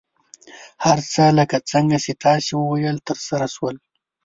هر څه لکه څنګه چې تاسو وویل، ترسره شول.